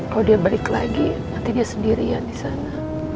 kalau dia balik lagi nanti dia sendirian di sana